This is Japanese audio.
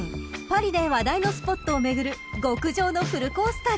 パリで話題のスポットを巡る極上のフルコース旅］